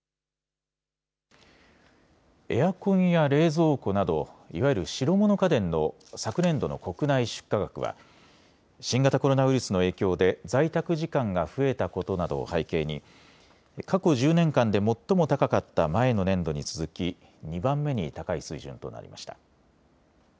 エアコンや冷蔵庫などいわゆる白物家電の昨年度の国内出荷額は新型コロナウイルスの影響で在宅時間が増えたことなどを背景に過去１０年間で最も高かった前の年度に続き２番目に高い水準となりました。